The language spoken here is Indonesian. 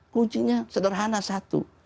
kuncinya sederhana satu